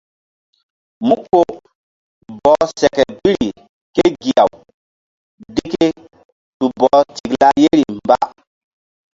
Mú ko bɔh seke biri ké gi-aw deke tu bɔh tikla yeri mba.